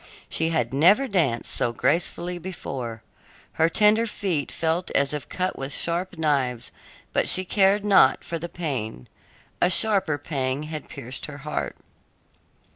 She had never danced so gracefully before. Her tender feet felt as if cut with sharp knives, but she cared not for the pain; a sharper pang had pierced her heart.